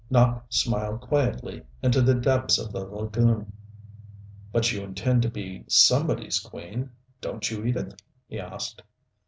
Nopp smiled quietly, into the depths of the lagoon. "But you intend to be somebody's queen, don't you, Edith?" he asked.